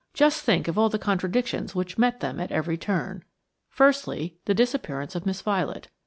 Just think of all the contradictions which met them at every turn. Firstly, the disappearance of Miss Violet.